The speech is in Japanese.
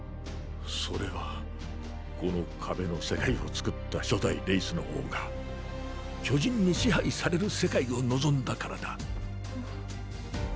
それはこの壁の世界を創った初代レイスの王が巨人に支配される世界を望んだからだ。